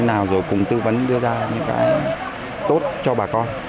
thế nào rồi cùng tư vấn đưa ra những cái tốt cho bà con